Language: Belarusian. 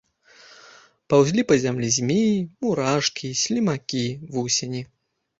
Паўзлі па зямлі змеі, мурашкі, слімакі, вусені.